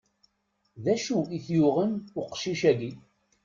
D acu i t-yuɣen uqcic-agi?